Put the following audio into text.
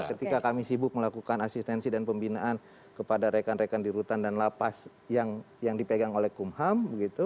ketika kami sibuk melakukan asistensi dan pembinaan kepada rekan rekan di rutan dan lapas yang dipegang oleh kumham